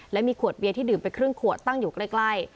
และมีขวดเบียร์ที่ดื่มไปครึ่งขวดตั้งอยู่ใกล้